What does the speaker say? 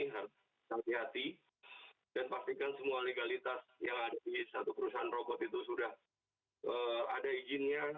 harus hati hati dan pastikan semua legalitas yang ada di satu perusahaan robot itu sudah ada izinnya